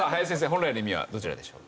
本来の意味はどちらでしょう？